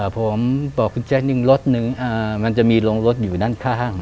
ผมบอกคุณแจ๊คนึงรถนึงมันจะมีโรงรถอยู่ด้านข้าง